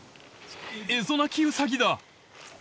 エゾナキウサギだ！